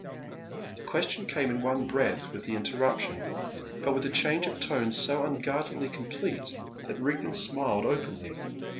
The question came in one breath with the interruption, but with a change of tone so unguardedly complete that Rigden smiled openly.